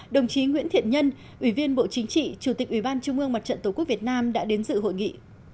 đồng chí nguyễn thiện nhân ủy viên bộ chính trị chủ tịch ủy ban trung ương mặt trận tổ quốc việt nam đã đến dự hội nghị